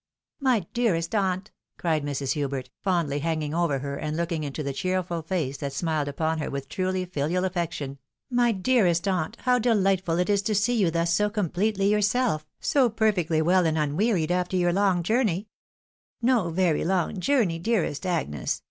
" My dearest aunt !" cried Mrs. Hubert, fondly hanging over her, and looking into the cheerful face that smiled upon her, with truly filial affection, —" my dearest aunt, how deMght ful it is to see you thus so completely yourself, so perfectly well and unwearied, after your long journey." 142 THE WIDOW MARRIED. " No very long journey, dearest Agnes